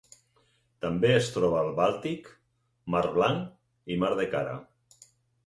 També es troba al Bàltic, Mar Blanc i Mar de Kara.